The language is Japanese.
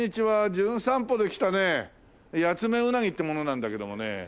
『じゅん散歩』で来たねヤツメウナギって者なんだけどもね。